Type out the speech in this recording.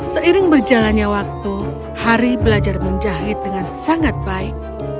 seiring berjalannya waktu hari belajar menjahit dengan sangat baik